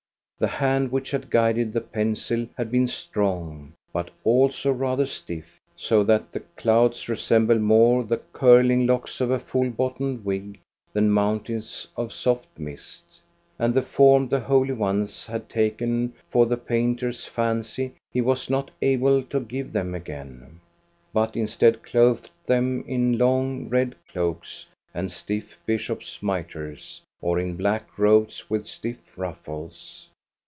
The hand which had guided the pencil had been strong, but also rather stiff, so that the clouds resembled more the curling locks of a full bottomed wig than moun tains of soft mist. And the form the holy ones had taken for the painter's fancy he was not able to give them again, but instead clothed them in long, red cloaks, and stiff bishops' mitres, or in black robes THE PLASTER SAINTS 33 1 with stiff ruffles.